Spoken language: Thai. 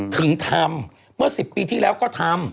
ถึงทำเมื่อ๑๐ปีที่แล้วก็ทำ